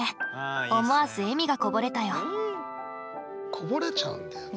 こぼれちゃうんだよね。